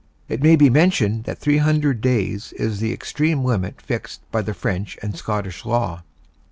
It may be mentioned that 300 days is the extreme limit fixed by the French and Scottish law.